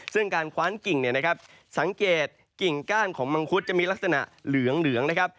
ซึ่งการคว้านกิ่งเนี่ยนะครับสังเกตกิ่งก้านของมังคุดจะมีลักษณะเหลืองนะครับ